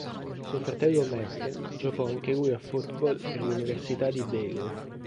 Suo fratello maggiore Matt giocò anche lui a football per l'Università di Baylor.